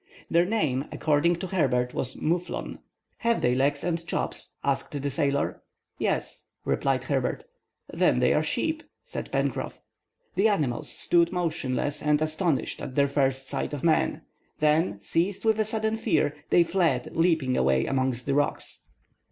Their name, according to Herbert, was Moufflon. "Have they legs and chops?" asked the sailor. "Yes," replied Herbert. "Then they're sheep," said Pencroff. The animals stood motionless and astonished at their first sight of man. Then, seized with sudden fear, they fled, leaping away among the rocks.